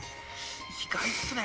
意外っすね」。